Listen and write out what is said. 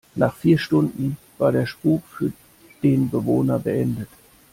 Nach vier Stunden war der Spuk für den Bewohner beendet.